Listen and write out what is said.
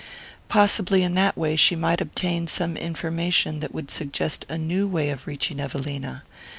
Possibly in that way she might obtain some information that would suggest a new way of reaching Evelina.